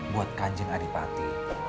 buat kanjeng adipati